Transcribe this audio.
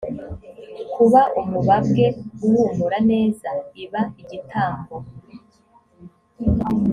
kuba umubabwe uhumura neza iba igitambo